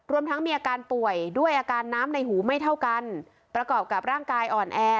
รวมทั้งมีอาการป่วยด้วยอาการน้ำในหูไม่เท่ากันประกอบกับร่างกายอ่อนแอ